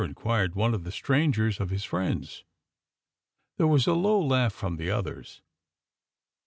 inquired one of the strangers of his friends. There was a low laugh from the others.